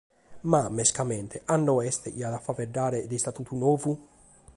Ma, mescamente, cando est chi ant a faeddare de Istatutu nou?